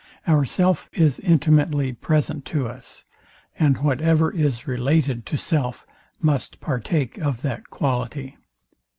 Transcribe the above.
Ourself is intimately present to us, and whatever is related to self must partake of that quality.